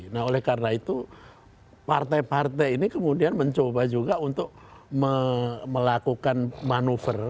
nah oleh karena itu partai partai ini kemudian mencoba juga untuk melakukan manuver